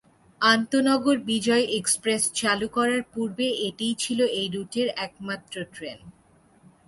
আন্তঃনগর Bijoy express চালু করার পূর্বে এটিই ছিলো এই রুটের একমাত্র ট্রেন।